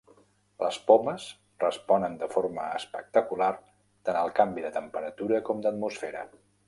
Les pomes responen de forma espectacular tant al canvi de temperatura com d'atmosfera.